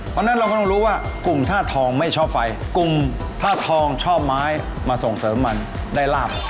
เพราะฉะนั้นเราก็ต้องรู้ว่ากลุ่มธาตุทองไม่ชอบไฟกลุ่มธาตุทองชอบไม้มาส่งเสริมมันได้ลาบ